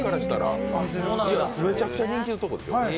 めちゃくちゃ人気のとこですよ。